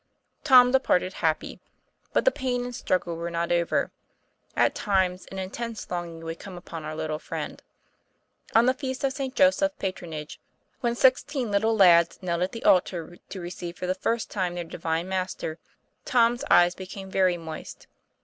Tom departed happy. But the pain and struggle were not over. At times an intense longing would come upon our little friend. On the feast of St. Joseph's Patronage, when six teen little lads knelt at the altar to receive for the first time their divine Master, Tom's eyes became very moist.